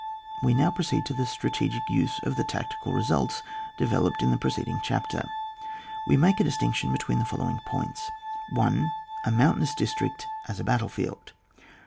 We now proceed to the strategic use of the tacticed results developed in the pre ceding chapter. We make a distinction between the following points :— 1. A moimtainous district as a battle field.